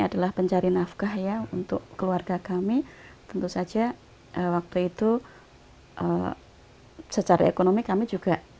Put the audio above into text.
adalah pencari nafkah ya untuk keluarga kami tentu saja waktu itu secara ekonomi kami juga